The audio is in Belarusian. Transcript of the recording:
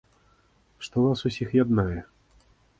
Што вас усіх яднае?